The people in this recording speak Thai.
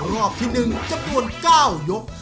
รอบที่หนึ่งจำนวนเก้ายก